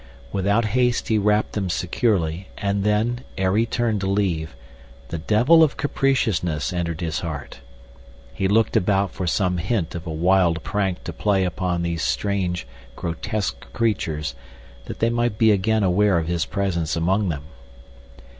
Without haste he wrapped them securely, and then, ere he turned to leave, the devil of capriciousness entered his heart. He looked about for some hint of a wild prank to play upon these strange, grotesque creatures that they might be again aware of his presence among them.